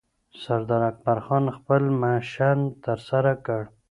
سردار اکبرخان خپل مشن ترسره کړ